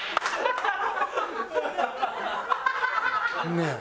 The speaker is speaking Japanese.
ねえ。